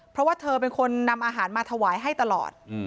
เพราะว่าเธอเป็นคนนำอาหารมาถวายให้ตลอด